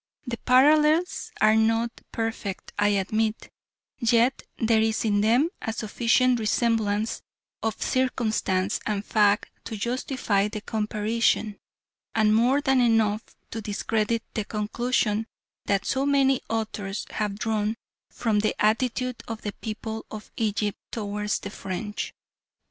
The parallels are not perfect I admit, yet there is in them a sufficient resemblance of circumstance and fact to justify the comparison, and more than enough to discredit the conclusions that so many authors have drawn from the attitude of the people of Egypt towards the French.